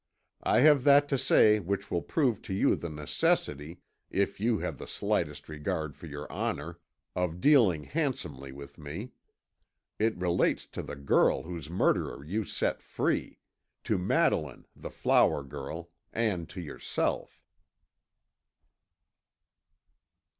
I have that to say which will prove to you the necessity, if you have the slightest regard for your honour, of dealing handsomely with me. It relates to the girl whose murderer you set free to Madeline the flower girl and to yourself."